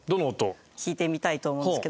弾いてみたいと思うんですけど。